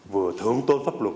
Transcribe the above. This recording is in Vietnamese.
vừa thượng tôn pháp luật